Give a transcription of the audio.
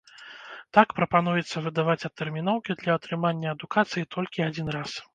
Так, прапануецца выдаваць адтэрміноўкі для атрымання адукацыі толькі адзін раз.